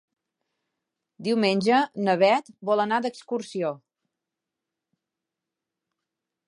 Diumenge na Beth vol anar d'excursió.